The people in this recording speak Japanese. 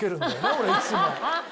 俺いつも。